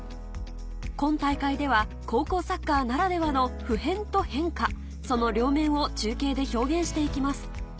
今大会では高校サッカーならではのその両面を中継で表現して行きます